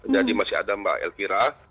jadi masih ada mbak elkira